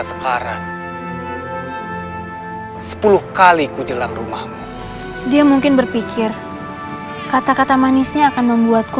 sekarang sepuluh kali ku jelang rumahmu dia mungkin berpikir kata kata manisnya akan membuatku